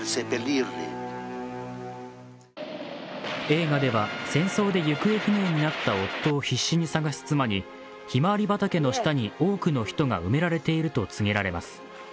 映画では戦争で行方不明になった夫を必死に捜す妻にひまわり畑の下に多くの人が埋められていると告げられます。